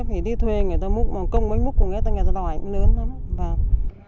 phải đi thuê người ta múc mà công máy múc của người ta đòi cũng lớn lắm